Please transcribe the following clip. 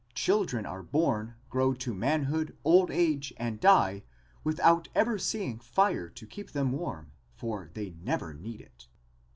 Children are born, grow to manhood, old age, and die without ever seeing fire to keep them warm for they never need it.